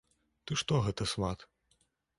Ты што гэта, сват?